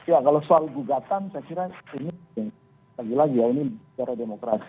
ya kalau soal gugatan saya kira ini lagi lagi ya ini bicara demokrasi